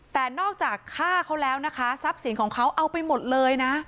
แต่นอกจากฆ่าเขาแล้วนะคะทรัพย์สินของเขาเอาไปหมดเลยนะ